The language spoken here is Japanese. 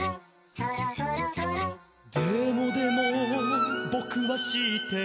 「でもでもぼくはしっている」